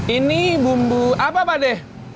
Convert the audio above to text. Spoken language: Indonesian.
ini bumbu apa pak deh